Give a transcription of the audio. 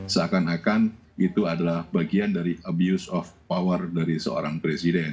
seakan akan itu adalah bagian dari abuse of power dari seorang presiden